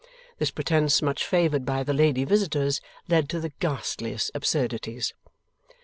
This pretence, much favoured by the lady visitors, led to the ghastliest absurdities.